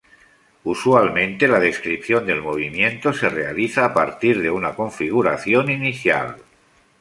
Usualmente la descripción del movimiento se realiza a partir de una configuración inicial.